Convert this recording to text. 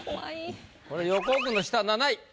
これ横尾君の下７位。